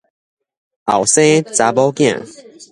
後生查某囝